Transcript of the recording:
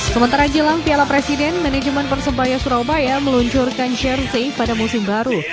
sementara jelang piala presiden manajemen persebaya surabaya meluncurkan jersey pada musim baru